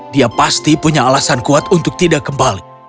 dia pasti punya alasan kuat untuk tidak kembali